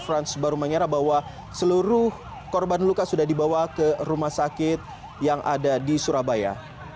frans baru mengira bahwa seluruh korban luka sudah dibawa ke rumah sakit yang ada di surabaya